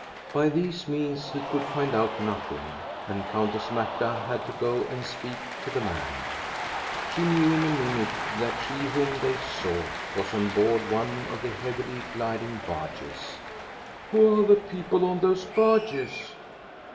By these means he could find out nothing, and Countess Marta had to go and speak to the man. She knew in a minute, that she whom they sought was on board one of the heavily gliding barges. " Who are the people on those barges?